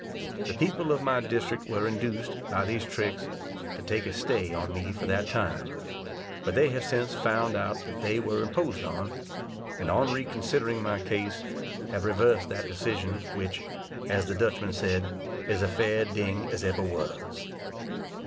The people of my district were induced, by these tricks, to take a stay on me for that time; but they have since found out that they were imposed on, and on re considering my case, have reversed that decision; which, as the Dutchman said, "is as fair a ding as eber was."